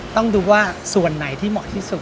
ต้องดูว่าส่วนไหนที่เหมาะที่สุด